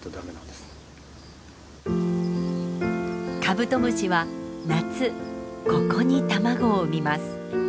カブトムシは夏ここに卵を生みます。